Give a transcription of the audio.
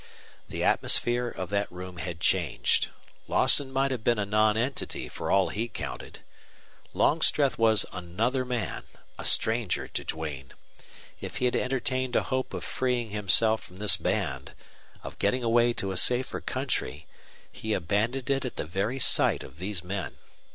The atmosphere of that room had changed. Lawson might have been a nonentity for all he counted. Longstreth was another man a stranger to Duane. If he had entertained a hope of freeing himself from this band, of getting away to a safer country, he abandoned it at the very sight of these men.